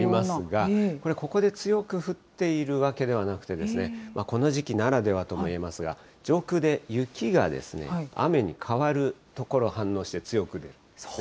これ、ここで強く降っているわけではなくてですね、この時期ならではともいえますが、上空で雪が雨に変わる所反応して、強く出ているんですね。